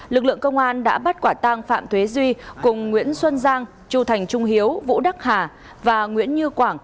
lực lượng công an đã bắt quả tang phạm thế duy cùng nguyễn xuân giang chu thành trung hiếu vũ đắc hà và nguyễn như quảng